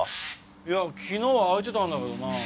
いや昨日は開いてたんだけどな。